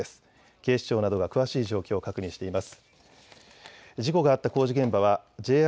警視庁などが詳しい状況を確認しています。